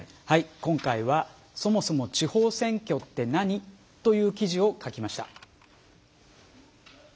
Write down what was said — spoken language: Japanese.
今回は、そもそも地方選挙って何？という記事を書きました。